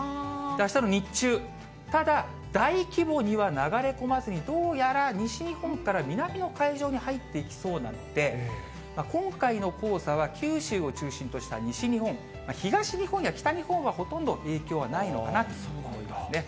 あしたの日中、ただ大規模には流れ込まずに、どうやら西日本から南の海上に入ってきそうなので、今回の黄砂は、九州を中心とした西日本、東日本や北日本はほとんど影響はないのかなと思いますね。